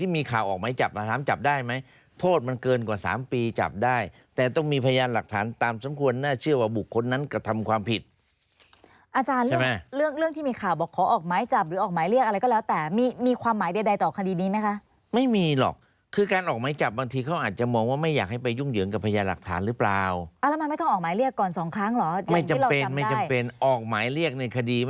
ไม่จำเป็นไม่จำเป็นออกหมายเรียกในคดี